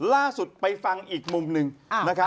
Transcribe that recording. ลาดสุดไปฟังอีกมุมหนึ่งนะครับ